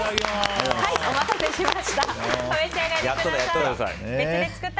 お待たせしました。